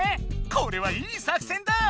これはいい作戦だ！